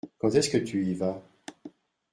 Quand est-ce que tu y vas ?